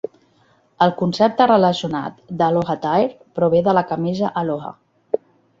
El concepte relacionat d'"Aloha Attire" prové de la camisa Aloha.